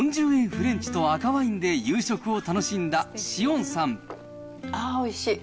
フレンチと赤ワインで夕食を楽しんだ紫苑さん。